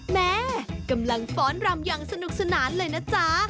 แม่กำลังฟ้อนรำอย่างสนุกสนานเลยนะจ๊ะ